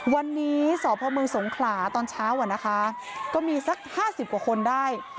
วันนี้สพมสงขลาตอนเช้าอะนะคะก็มีสัก๕๐กว่าคนได้